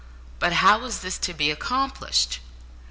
But how was this to be accomplished?